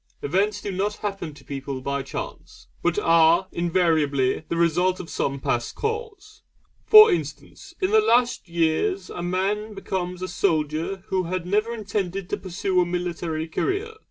Events do not happen to people by chance, but are invariably the result of some past cause. For instance, in the last years a man becomes a soldier who had never intended to pursue a military career.